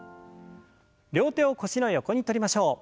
両手を腰の横にとりましょう。